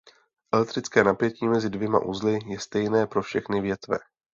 Elektrické napětí mezi dvěma uzly je stejné pro všechny větve.